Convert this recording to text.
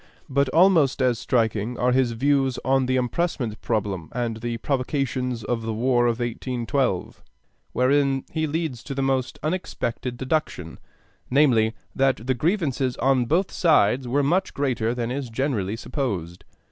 But almost as striking are his views on the impressment problem and the provocations to the War of 1812; wherein he leads to the most unexpected deduction, namely, that the grievances on both sides were much greater than is generally supposed.